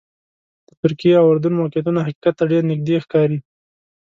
د ترکیې او اردن موقعیتونه حقیقت ته ډېر نږدې ښکاري.